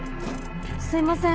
すいません